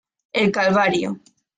El Calvario.